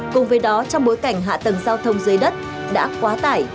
cùng với đó trong bối cảnh hạ tầng giao thông dưới đất đã quá tải